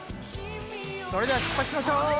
それでは出発しましょう！